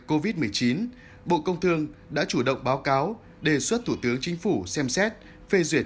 covid một mươi chín bộ công thương đã chủ động báo cáo đề xuất thủ tướng chính phủ xem xét phê duyệt